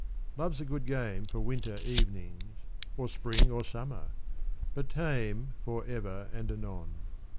Love's a good game For winter evenings — or spring or summer, But tame For ever and anon.